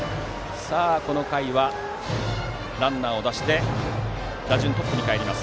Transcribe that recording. この回はランナーを出して打順はトップにかえります。